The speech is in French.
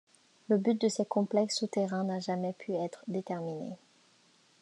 Le but de ces complexes souterrains n'a jamais pu être déterminé.